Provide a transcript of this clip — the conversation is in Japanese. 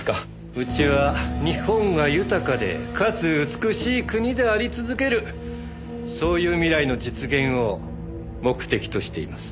うちは日本が豊かでかつ美しい国であり続けるそういう未来の実現を目的としています。